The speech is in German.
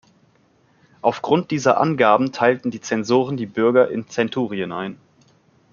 Aufgrund dieser Angaben teilten die Zensoren die Bürger in Centurien ein.